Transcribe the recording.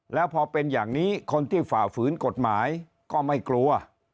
แล้วพอเป็นอย่างนี้คนที่ฝ่าฝืนกฎหมายก็ไม่กลัว